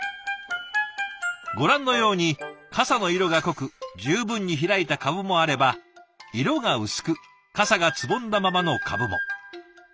ご覧のようにかさの色が濃く十分に開いた株もあれば色が薄くかさがつぼんだままの株も。